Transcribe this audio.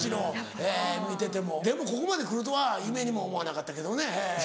でもここまで来るとは夢にも思わなかったけどね。